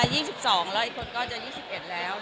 ถูกปรับ๒๒แล้วอีกคนก็ยิ้มเพื่อนซึ่ง๒๑แล้ว